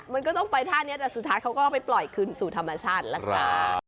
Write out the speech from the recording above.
มันก็ต้องไปท่านี้แต่สุดท้ายเขาก็เอาไปปล่อยคืนสู่ธรรมชาติละกัน